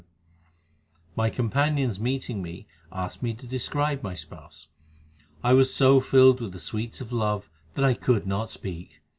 HYMNS OF GURU ARJAN 325 My companions meeting me asked me to describe my Spouse. I was so filled with the sweets of love that I could not speak.